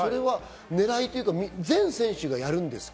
狙いというか、全選手がやるんですか？